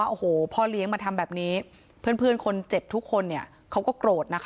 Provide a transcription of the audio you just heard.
เขาจะเรียกผมพี่ใช่ไหมาว่าพี่บูม